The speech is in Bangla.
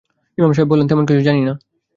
ইমাম সাহেব বললেন, তেমন কিছু জানি না।